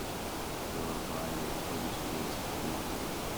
There are a variety of produce goods at a market.